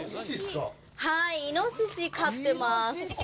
イノシシ飼ってます。